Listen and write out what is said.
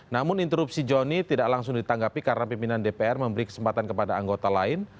namun interupsi johnny tidak langsung ditanggapi karena pimpinan dpr memberi kesempatan kepada anggota lain